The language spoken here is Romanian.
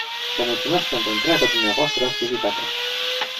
Vă mulțumesc pentru întreaga dvs. activitate.